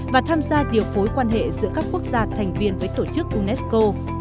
và tham gia điều phối quan hệ giữa các quốc gia thành viên với tổ chức unesco